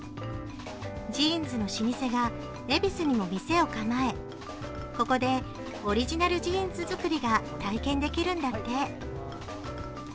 ジーンズの老舗が恵比寿にも店を構え、ここでオリジナルジーンズ作りが体験できるんだって。